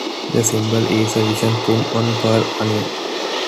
The symbol is a visual pun on pearl onion.